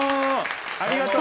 ありがとうね。